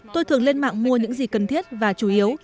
tôi thường lên mạng mua những gì cần thiết và chủ yếu